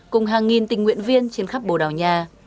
cùng hàng nghìn tình nguyện viên trên khắp bồ đào nha